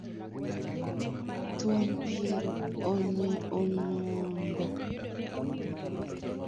Thuon piere onondo